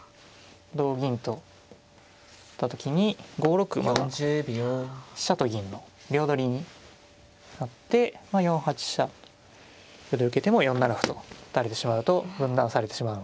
同銀と取った時に５六馬が飛車と銀の両取りになって４八飛車で受けても４七歩と打たれてしまうと分断されてしまうので。